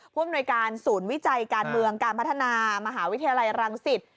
ผู้อำนวยการศูนย์วิจัยการเมืองการพัฒนามหาวิทยาลัยรังสิต